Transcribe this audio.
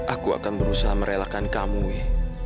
aku akan berusaha merelakan kamu